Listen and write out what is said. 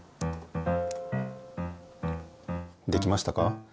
できましたか？